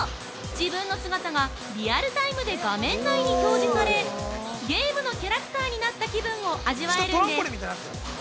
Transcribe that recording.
自分の姿がリアルタイムで画面内に表示されゲームのキャラクターになった気分を味わえるんです。